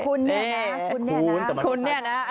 คุณเนี่ยนะคุณเนี่ยนะ